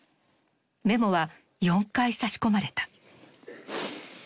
メモは４回差し込まれた。